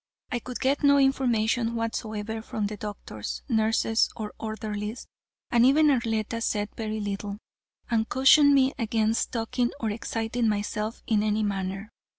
I could get no information whatsoever from the doctors, nurses, or orderlies, and even Arletta said very little, and cautioned me against talking or exciting myself in any manner.